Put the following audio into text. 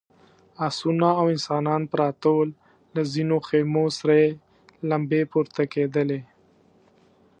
آسونه او انسانان پراته ول، له ځينو خيمو سرې لمبې پورته کېدلې….